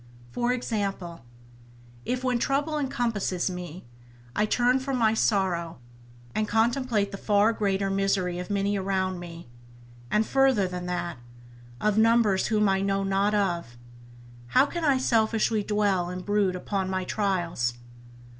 For example, if, when trouble encompasses me, I turn from my sorrow, and contemplate the far greater misery of many around me, and further than that, of numbers whom I know not of, how can I selfishly dwell and brood upon my trials.